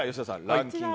ランキング